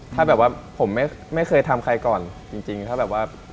ถ้าแบบว่าผมไม่เคยทำใครก่อนจริงถ้าแบบว่า